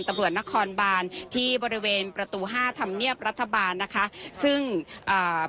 ตำรวจนครบานที่บริเวณประตูห้าธรรมเนียบรัฐบาลนะคะซึ่งอ่า